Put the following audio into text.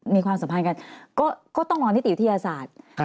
ความสัมพันธ์กันก็ต้องรอนิติวิทยาศาสตร์